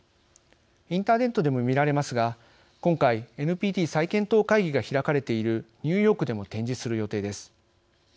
インターネットでも見られますが今回、ＮＰＴ再検討会議が開かれているニューヨークでも展示する予定です。